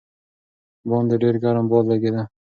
باندې ډېر ګرم باد لګېده.